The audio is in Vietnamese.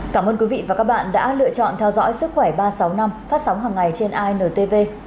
cảm ơn quý vị và các bạn đã lựa chọn theo dõi sức khỏe ba trăm sáu mươi năm phát sóng hằng ngày trên intv